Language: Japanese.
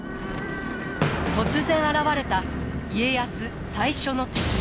突然現れた家康最初の敵。